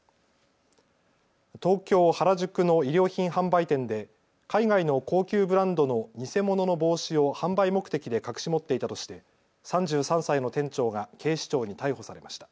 東京原宿の衣料品販売店で海外の高級ブランドの偽物の帽子を販売目的で隠し持っていたとして３３歳の店長が警視庁に逮捕されました。